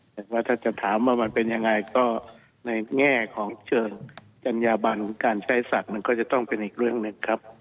แต่ว่าถ้าจะถามว่ามันเป็นยังไงก็ในแง่ของเชิงจัญญาบันของการใช้สัตว์มันก็จะต้องเป็นอีกเรื่องหนึ่งครับ